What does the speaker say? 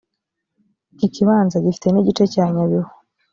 iki kibanza gifite n’igice cya nyabihu